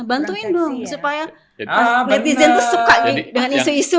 bantuin dong supaya netizen tuh suka nih